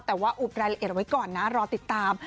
แต่ว่าอุบรายละเอียดเอาไว้ก่อนนะรอติดตาม